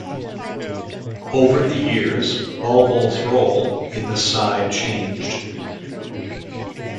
Over the years Bulbul's role in the side changed.